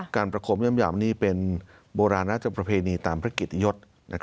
ประคมย่ำนี่เป็นโบราณราชประเพณีตามพระเกียรติยศ